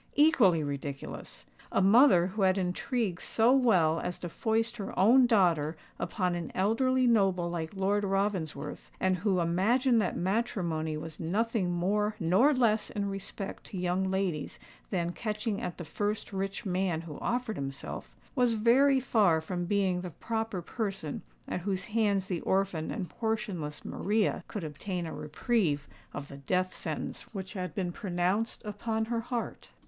Equally ridiculous! A mother who had intrigued so well as to foist her own daughter upon an elderly noble like Lord Ravensworth, and who imagined that matrimony was nothing more nor less in respect to young ladies than "catching at the first rich man who offered himself," was very far from being the proper person at whose hands the orphan and portionless Maria could obtain a reprieve of the death sentence which had been pronounced upon her heart.